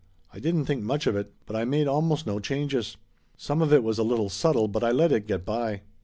"I didn't think much of it, but I made almost no changes. Some of it was a little subtle, but I let it get by."